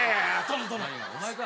お前か。